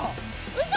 うそ。